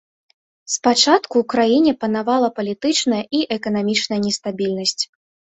Спачатку ў краіне панавала палітычная і эканамічная нестабільнасць.